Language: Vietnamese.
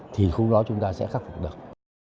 thì không đó chúng ta sẽ khắc phục được